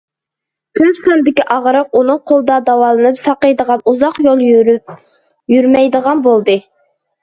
كۆپ ساندىكى ئاغرىق ئۇنىڭ قولىدا داۋالىنىپ ساقىيىدىغان، ئۇزاق يول يۈرۈپ يۈرمەيدىغان بولدى.